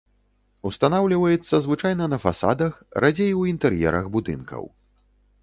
Устанаўліваецца звычайна на фасадах, радзей у інтэр'ерах будынкаў.